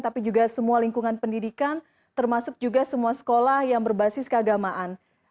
tapi juga semua lingkungan pendidikan termasuk juga semua sekolah yang berbasis keagamaan